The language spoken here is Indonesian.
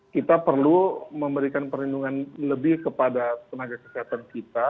kita perlu memberikan perlindungan lebih kepada tenaga kesehatan kita